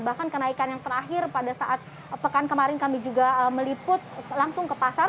bahkan kenaikan yang terakhir pada saat pekan kemarin kami juga meliput langsung ke pasar